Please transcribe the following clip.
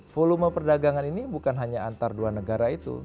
volume perdagangan ini bukan hanya antar dua negara itu